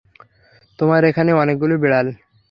তোমার এখানে অনেকগুলো বিড়াল।